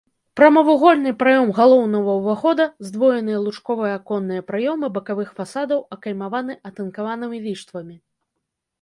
Прамавугольны праём галоўнага ўвахода, здвоеныя лучковыя аконныя праёмы бакавых фасадаў акаймаваны атынкаванымі ліштвамі.